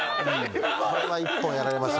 これは一本やられました。